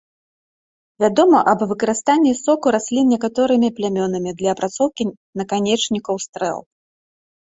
Вядома аб выкарыстанні соку раслін некаторымі плямёнамі для апрацоўкі наканечнікаў стрэл.